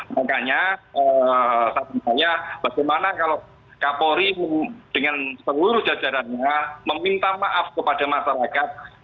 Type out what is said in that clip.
makanya saya percaya bagaimana kalau kapolri dengan seluruh jajarannya meminta maaf kepada masyarakat